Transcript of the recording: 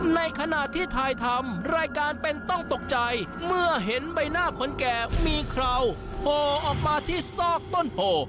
ในขณะที่ถ่ายทำรายการเป็นต้องตกใจเมื่อเห็นใบหน้าคนแก่มีเคราโผล่ออกมาที่ซอกต้นโพ